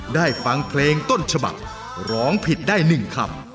ฟังเพลงต้นฉบับร้องผิดได้๑คำ